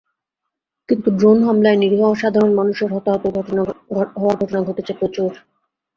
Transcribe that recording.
কিন্তু ড্রোন হামলায় নিরীহ সাধারণ মানুষের হতাহত হওয়ার ঘটনা ঘটেছে প্রচুর।